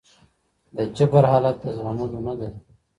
د جبر حالت د زغملو نه دی.